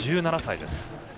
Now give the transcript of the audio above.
１７歳です。